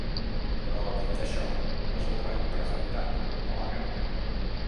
Però, dit això, l’esborrany presentat no agrada.